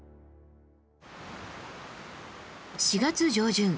４月上旬